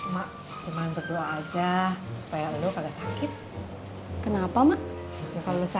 mak cuma berdoa aja supaya lu kagak sakit kenapa mak kalau sakit sama repot iya mak